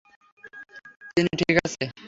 চিনি ঠিক আছে?